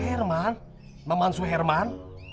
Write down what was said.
herman mamansu herman